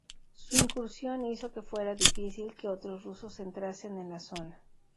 Su incursión hizo que fuera difícil que otros rusos entrasen en la zona.